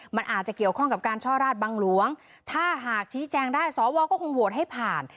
มันอาจจะเกี่ยวข้องกับการช่อราชบังหลวงถ้าหากชี้แจงได้สวก็คงโหวตให้ผ่าน